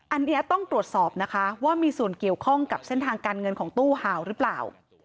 อันนี้ต้องตรวจสอบนะคะว่ามีส่วนเกี่ยวข้องกับเส้นทางการเงินของตู้ห่าวหรือเปล่า